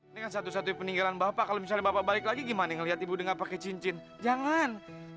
ini kan satu satunya peninggalan bapak kalau misalnya bapak balik lagi gimana ngelihat ibu dengan pakai cincin jangan